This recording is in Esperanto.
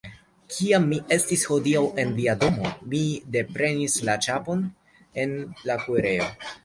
Kiam mi estis hodiaŭ en via domo, mi deprenis la ĉapon en la kuirejo.